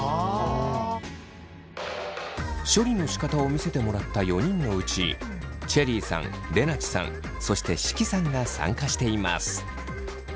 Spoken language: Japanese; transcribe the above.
処理のしかたを見せてもらった４人のうちチェリーさんれなちさんそして識さんが参加しています。